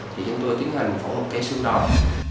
thì chúng tôi tiến hành phẫu luật cái xương đòn